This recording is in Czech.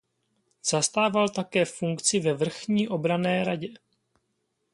Zastával také funkci ve Vrchní obranné radě.